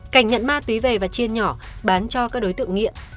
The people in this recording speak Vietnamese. cảnh nhận ma túy về và chiên nhỏ bán cho các đối tượng nghiện